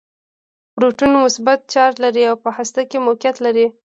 پروټون مثبت چارچ لري او په هسته کې موقعیت لري.